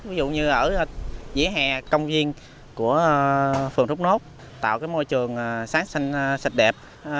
ví dụ như ở dĩa hè công viên của phường thuốc nốt tạo môi trường sáng xanh sạch đẹp